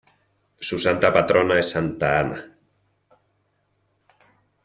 Su santa patrona es santa Ana.